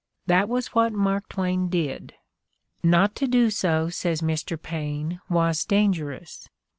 That was what Mark Twain did: "not to do so," says Mr. Paine, "was dangerous.